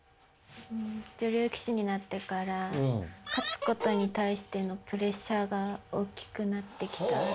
女流棋士になってから勝つことに対してのプレッシャーが大きくなってきた。